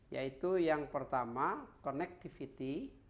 yaitu yang pertama connectivity